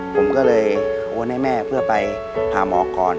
ผมก็เลยโอนให้แม่เพื่อไปหาหมอก่อน